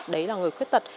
đấy là người khuyết tật